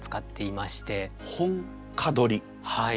はい。